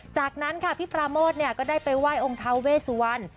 จากนั้นค่ะพี่ปราโมทก็ได้ไปไหว้องค์ทาเวสวัน